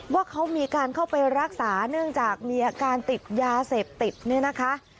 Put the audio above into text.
ว่าเขามีการเข้าไปรักษาเนื่องจากมีอาการติดยาเสพติดเนี่ยนะคะ